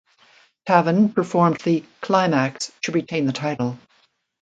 Taven performed the "Climax" to retain the title.